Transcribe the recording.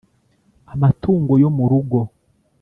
Amatungo yo mu rugo